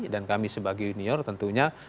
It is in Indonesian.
dan kami sebagai junior tentunya